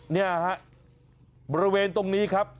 เนี่ยฮะบริเวณตรงนี้ครับ